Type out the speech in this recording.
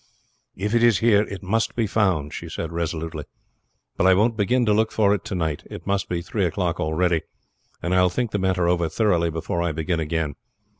"If it is here it must be found," she said resolutely; "but I won't begin to look for it to night. It must be three o'clock already, and I will think the matter over thoroughly before I begin again.